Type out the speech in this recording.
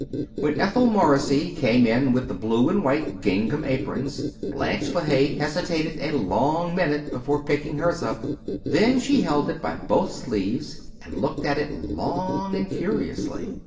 When Ethel Morrissey came in with the blue and white gingham aprons Blanche LeHaye hesitated a long minute before picking hers up. Then she held it by both sleeves and looked at it long, and curiously.